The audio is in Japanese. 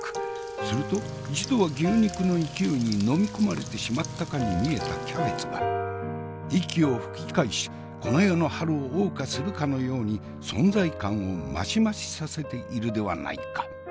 すると一度は牛肉の勢いに飲み込まれてしまったかに見えたキャベツが息を吹き返しこの世の春を謳歌するかのように存在感を増し増しさせているではないか。